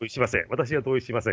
私は同意しません。